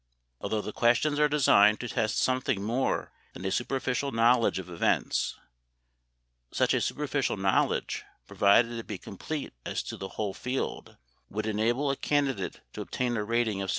Although the questions are designed to test something more than a superficial knowledge of events, such a superficial knowledge, provided it be complete as to the whole field, would enable a candidate to obtain a rating of 60.